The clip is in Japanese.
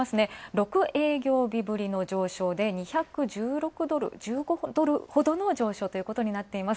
６営業日ぶりの上昇で２１６ドルほどの上昇ということになっています。